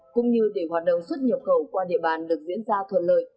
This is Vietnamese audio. cũng như để hoạt động xuất nhập khẩu qua địa bàn được diễn ra thuận lợi